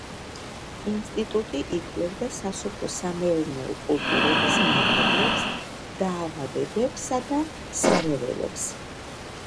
ინსტიტუტი იკვლევდა სასოფლო-სამეურნეო კულტურების მავნებლებს, დაავადებებსა და სარეველებს.